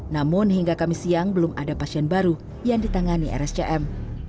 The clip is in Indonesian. namun hingga kami siang belum ada pasien baru yang ditangani rscm